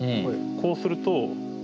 こうすると。